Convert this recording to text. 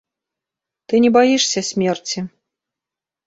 Ты не баішся смерці.